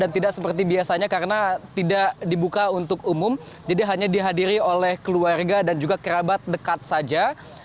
tidak seperti biasanya karena tidak dibuka untuk umum jadi hanya dihadiri oleh keluarga dan juga kerabat dekat saja